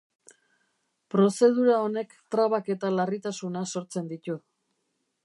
Prozedura honek trabak eta larritasuna sortzen ditu.